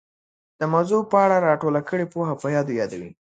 د موضوع په اړه را ټوله کړې پوهه په یادو یادوي